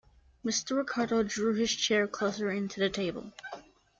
Mr. Ricardo drew his chair closer in to the table.